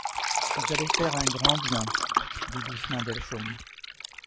«Vous allez faire un grand bien,» dit doucement Delchaume.